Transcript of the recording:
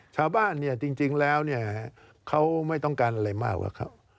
ชาวบ้านเนี่ยจริงแล้วเนี่ยเขาไม่ต้องการอะไรมากกว่าเขา